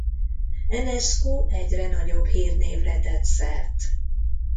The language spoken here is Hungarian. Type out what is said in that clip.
Enescu egyre nagyobb hírnévre tett szert.